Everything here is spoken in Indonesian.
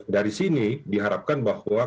dari sini diharapkan bahwa